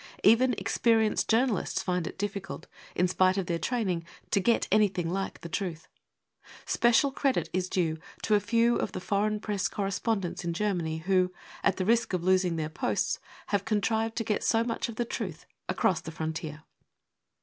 Even experienced journalists find it difficult, in spite of their training, to get anything like the truth. Special credit is due* to a few of the Foreign Press correspondents in Germany who, at the risk of losing their posts, have contrived to get • so much of the truth across the frontier.